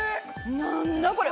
何だこれ！